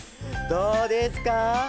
どうですか？